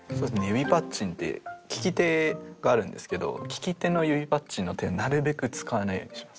指パッチンって利き手があるんですけど利き手の指パッチンの手なるべく使わないようにします。